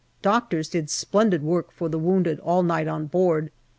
Doctors did splendid work for the wounded all night on board.